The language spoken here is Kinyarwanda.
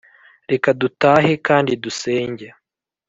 reka dutahe kandi dusenge